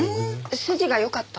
筋が良かった？